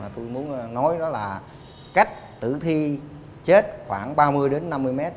tôi muốn nói là cách tử thi chết khoảng ba mươi năm mươi mét